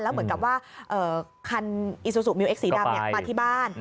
เหมือนกับว่าคันอีซูซูมิวเอ็กสีดำมาที่บ้าน